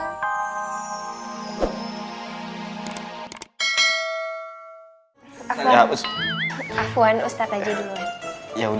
afuan afuan ustadz aja dulu